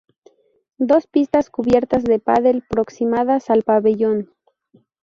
Dos pistas cubiertas de pádel próximas al pabellón.